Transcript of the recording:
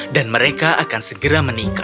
dan mereka akan segera menikah